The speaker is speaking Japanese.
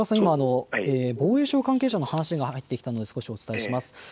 防衛省関係者の話が入ってきましたのでお伝えします。